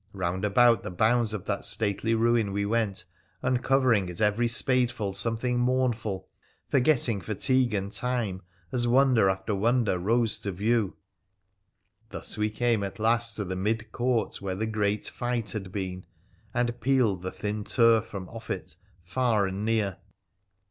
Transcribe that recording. Bound about the bounds of that stately ruin we went, uncovering at every spadeful something mournful, forgetting fatigue and time, as wonder after wonder rose to view ; thus we came at last to the mid court, where the great fight hau been, and peeled the thin turf from off it, far and near.